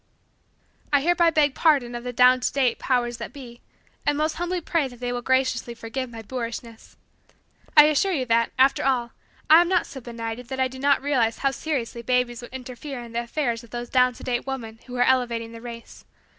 I hereby beg pardon of the down to date powers that be, and most humbly pray that they will graciously forgive my boorishness. I assure you that, after all, I am not so benighted that I do not realize how seriously babies would interfere in the affairs of those down to date women who are elevating the race.